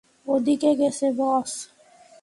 ওদিকে গেছে বস!